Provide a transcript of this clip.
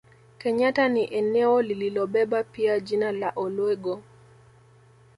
Kenyatta ni eneo lililobeba pia jina la Olwego